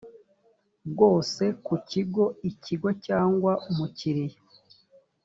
bwose ku kigo ikigo cyangwa umukiriya